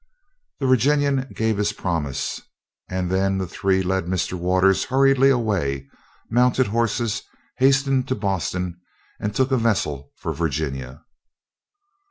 The Virginian gave his promise, and then the three led Mr. Waters hurriedly away, mounted horses, hastened to Boston and took a vessel for Virginia.